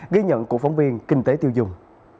ghi nhận của phóng viên kinh tế tiêu dùng